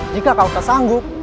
jika kau tak sanggup